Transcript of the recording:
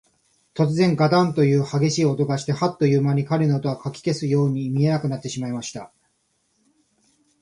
とつぜん、ガタンというはげしい音がして、ハッと思うまに、彼の姿は、かき消すように見えなくなってしまいました。